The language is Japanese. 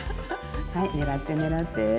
はい狙って狙って。